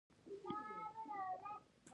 د اختراع حق د خوندیتوب غوښتنه وکړي.